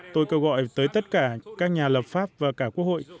tôi kêu gọi tới tất cả các nhà lập pháp và cả quốc hội